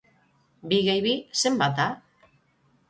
Bi gehi bi, zenbat da?